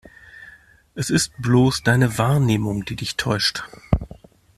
Es ist bloß deine Wahrnehmung, die dich täuscht.